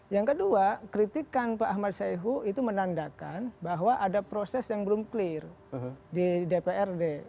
yang kedua kritikan pak ahmad syaihu itu menandakan bahwa ada proses yang belum clear di dprd